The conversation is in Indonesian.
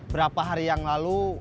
berapa hari yang lalu